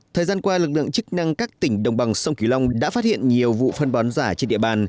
thời gian qua lực lượng chức năng các tỉnh đồng bằng sông kiều long đã phát hiện nhiều vụ phân bón giả trên địa bàn